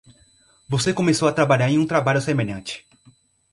Você começou a trabalhar em um trabalho semelhante.